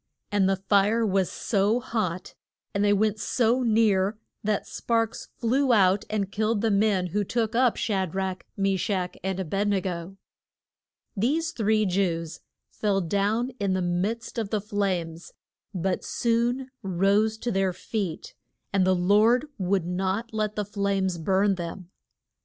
And the fire was so hot and they went so near that sparks flew out and killed the men who took up Sha drach, Me shach and A bed ne go. These three Jews fell down in the midst of the flames, but soon rose to their feet, and the Lord would not let the flames burn them.